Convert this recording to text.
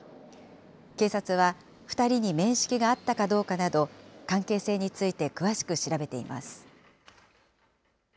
警察は、２人に面識があったかどうかなど、関係性について詳しく調べています。